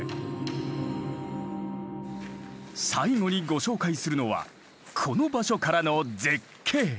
最後にご紹介するのはこの場所からの絶景。